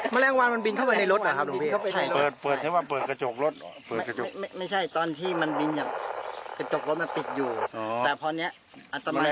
แมะแรงวางมันบินเข้าไปในรถหรอค่ะหนูพีฮะ